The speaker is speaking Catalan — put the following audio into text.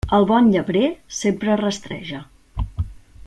El bon llebrer sempre rastreja.